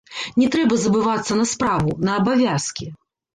Не трэба забывацца на справу, на абавязкі.